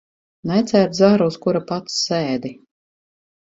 Necērt zaru, uz kura pats sēdi.